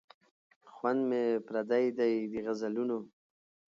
خوند مي پردی دی د غزلونو